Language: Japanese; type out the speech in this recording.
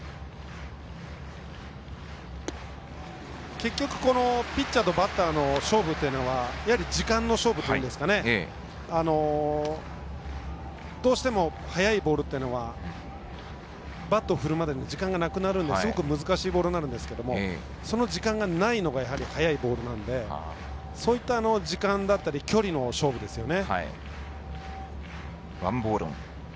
結局ピッチャーとバッターの勝負というのは時間の勝負というんですかねどうしても速いボールというのはバットを振るまでに時間がなくなるので少し難しいボールになるんですけれどもその時間がないのが速いボールなので時間だったり距離の勝負ですよね。